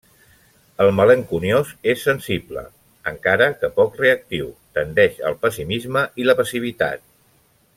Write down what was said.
El malenconiós és sensible, encara que poc reactiu; tendeix al pessimisme i la passivitat.